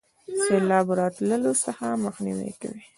د سیلاب راتللو څخه مخنیوي کوي.